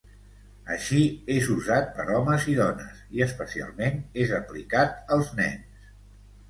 Així, és usat per homes i dones, i especialment és aplicat als nens.